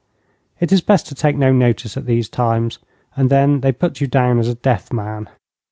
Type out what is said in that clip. It is best to take no notice at these times, and then they put you down as a deaf man.